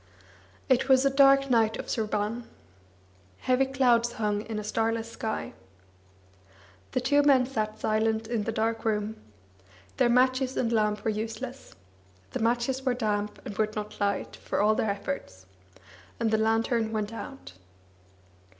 It was a dark night of Sraban. Heavy clouds hung In a starless sky. The two men sat silent in the dark room. Their matches and lamp were useless. The matches were damp, and would not light, for all their efforts, and the lantern went out.